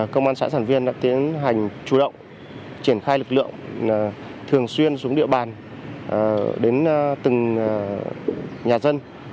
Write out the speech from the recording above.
công an xã sản viên đã tiến hành chủ động triển khai lực lượng thường xuyên xuống địa bàn đến từng nhà dân